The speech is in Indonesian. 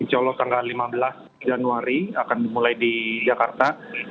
insya allah tanggal lima belas januari akan dimulai di jakarta